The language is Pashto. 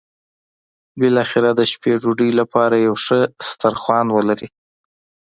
بالاخره د شپې ډوډۍ لپاره یو ښه سترخوان ولري.